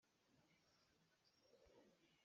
Hmai chan cu an fim deuh lai.